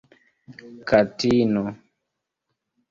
katino